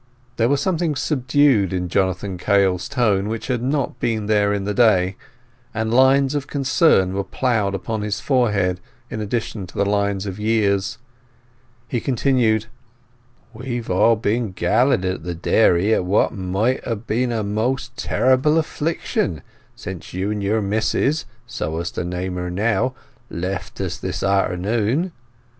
There was something subdued in Jonathan Kail's tone which had not been there in the day, and lines of concern were ploughed upon his forehead in addition to the lines of years. He continued— "We've all been gallied at the dairy at what might ha' been a most terrible affliction since you and your Mis'ess—so to name her now—left us this a'ternoon.